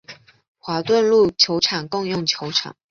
华顿路球场共用球场。